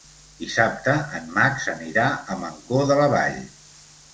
Dissabte en Max anirà a Mancor de la Vall.